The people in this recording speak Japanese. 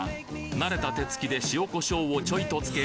慣れた手つきで塩コショウをちょいとつけ